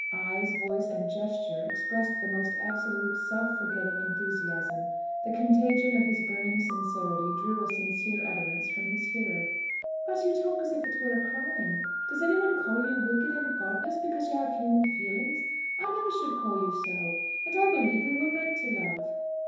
Eyes, voice, and gesture expressed the most absolute, self forgetting enthusiasm. The contagion of his burning sincerity drew a sincere utterance from his hearer. "But you talk as if it were a crime! Does anyone call you wicked and godless, because you have human feelings? I never should call you so. And, I believe, we were meant to love."